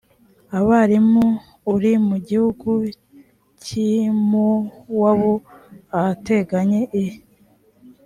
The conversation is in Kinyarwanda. abarimu uri mu gihugu cy’i mowabu ahateganye i